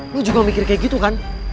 lu juga mikir kayak gitu kan